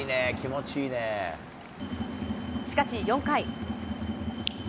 しかし４回。